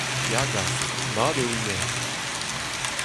Ya gast, mat eo hennezh !